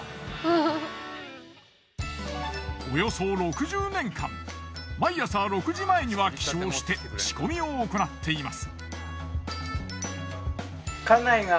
およそ６０年間毎朝６時前には起床して仕込みを行っています。